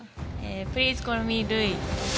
プリーズコールミールイ。